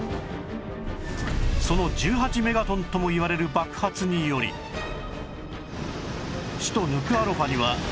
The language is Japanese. その１８メガトンともいわれる爆発により首都ヌクアロファには